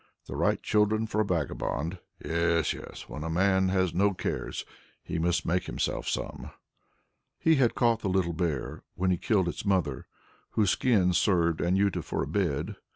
The right children for a vagabond. Yes, yes, when a man has no cares, he must make himself some." He had caught the little bear, when he killed its mother, whose skin served Anjuta for a bed.